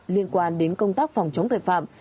liên quan đến công tác phòng chống tội phạm